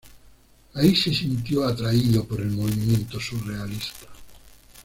Ahí se sintió atraído por el movimiento surrealista.